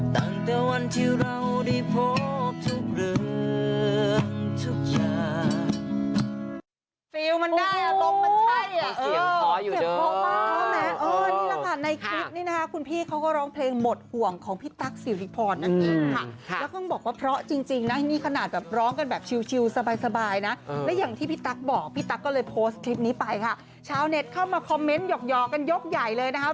ตั้งแต่วันที่เราได้พบทุกเรื่องทุกอย่าง